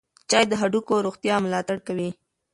چای د هډوکو روغتیا ملاتړ کوي.